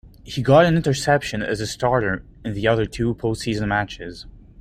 He got an interception as a starter in the other two postseason matches.